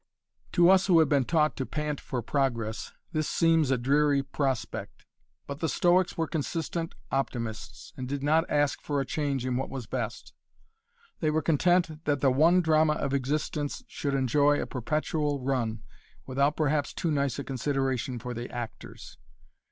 To us who have been taught to pant for progress, this seems a dreary prospect. But the Stoics were consistent Optimists, and did not ask for a change in what was best. They were content that the one drama of existence should enjoy a perpetual run without perhaps too nice a consideration for the actors.